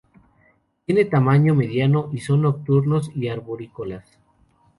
Tienen tamaño mediano y son nocturnos y arborícolas.